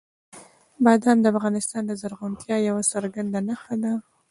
بادام د افغانستان د زرغونتیا یوه څرګنده نښه ده.